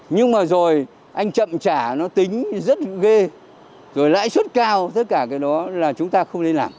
nhưng mà rồi anh chậm trả nó tính rất ghê rồi lãi suất cao tất cả cái đó là chúng ta không nên làm